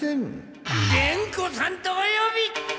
伝子さんとおよび！